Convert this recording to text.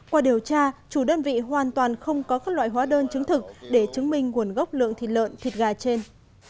qua điều tra chủ đơn vị hoàn toàn không có các loại hóa đơn chứng thực để chứng minh nguồn gốc lượng thịt lợn thịt gà trên